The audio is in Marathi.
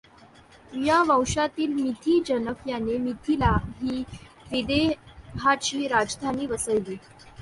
या वंशातील मिथि जनक याने मिथिला ही विदेहाची राजधानी वसवली.